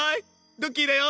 ドッキーだよ！